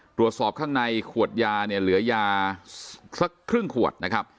ตรวจสอบข้างในขวดยาเนี่ยเหลือยาสักครึ่งขวดนะครับ